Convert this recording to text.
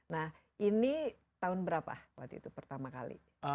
nah ini tahun berapa waktu itu pertama kali